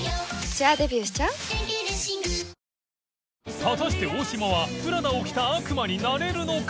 祺未燭靴大島はプラダを着た悪魔になれるのか！？